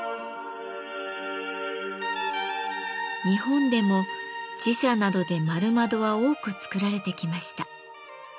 日本でも寺社などで円窓は多く作られてきました。